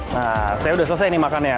nah saya udah selesai nih makannya